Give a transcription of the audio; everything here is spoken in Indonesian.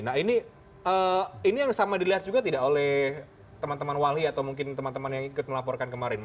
nah ini yang sama dilihat juga tidak oleh teman teman wali atau mungkin teman teman yang ikut melaporkan kemarin